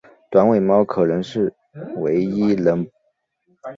短尾猫可能是唯一能不动声色成功掠食美洲鹤成鸟的动物。